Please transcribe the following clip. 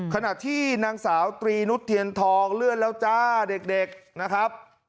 ขณะที่นางสาวตรีนุษเทียนทองเลื่อนแล้วจ้าเด็กนะครับ